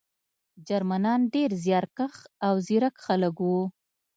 جرمنان ډېر زیارکښ او ځیرک خلک وو